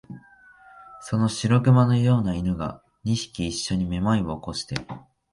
その白熊のような犬が、二匹いっしょにめまいを起こして、